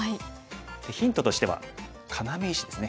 ヒントとしては要石ですね。